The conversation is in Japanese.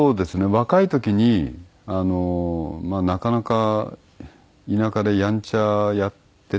若い時になかなか田舎でやんちゃやってたみたいで。